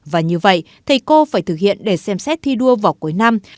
và như vậy thầy cô phải thực hiện để xem xét thi đua vào cuối năm